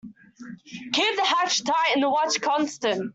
Keep the hatch tight and the watch constant.